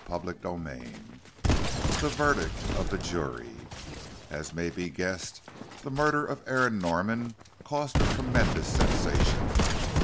CHAPTER VIII THE VERDICT OF THE JURY As may be guessed, the murder of Aaron Norman caused a tremendous sensation.